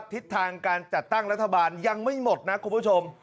ทิศทางการจัดตั้งรัฐบาลยังไม่หมดนะคุณผู้ชม